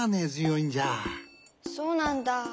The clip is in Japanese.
そうなんだ。